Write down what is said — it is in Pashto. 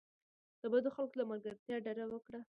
د بدو خلکو له ملګرتیا ډډه وکړئ.